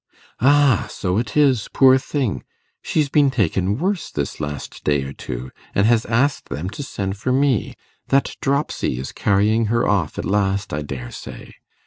Ah, so it is, poor thing! she's been taken worse this last day or two, and has asked them to send for me. That dropsy is carrying her off at last, I daresay.